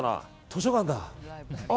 図書館だ。